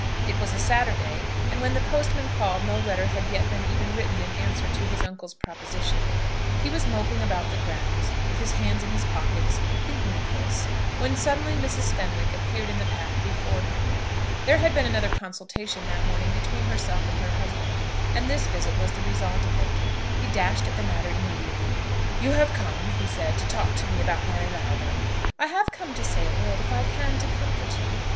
It was a Saturday, and when the postman called no letter had yet been even written in answer to his uncle's proposition. He was moping about the grounds, with his hands in his pockets, thinking of this, when suddenly Mrs. Fenwick appeared in the path before him. There had been another consultation that morning between herself and her husband, and this visit was the result of it. He dashed at the matter immediately. "You have come," he said, "to talk to me about Mary Lowther." "I have come to say a word, if I can, to comfort you.